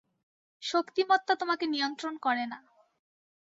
শক্তিমত্তা তোমাকে নিয়ন্ত্রণ করে না।